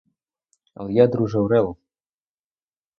Але я, друже, орел!